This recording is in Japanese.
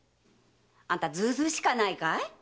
あんたずうずうしかないかい？